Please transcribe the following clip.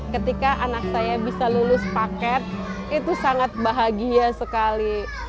ketika anak saya bisa lulus paket itu sangat bahagia sekali